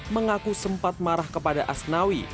mengaku sempat marah kepada asnawi